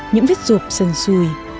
những vết ruột sần sùi